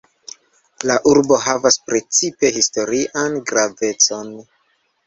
La urbo havas precipe historian gravecon.